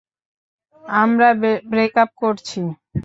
আমরা ব্রেকাপ করছি!